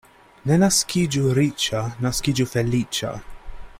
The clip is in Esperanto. Ne naskiĝu riĉa, naskiĝu feliĉa.